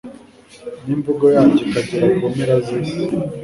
n’imvugo yabyo ikagera ku mpera z’isi